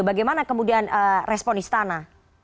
bagaimana kemudian respon istana